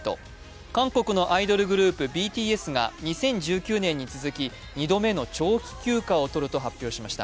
韓国のアイドルグループＢＴＳが２０１９年に続き、２度目の長期休暇を取ると発表しました。